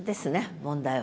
問題は。